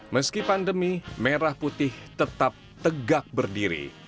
meski pandemi merah putih tetap tegak berdiri